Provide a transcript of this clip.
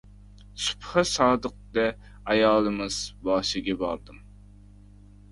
Subhi sodiqda ayolimiz boshiga bordim.